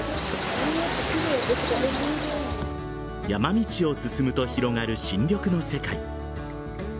山道を進むと広がる深緑の世界。